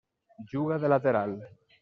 Juga de lateral.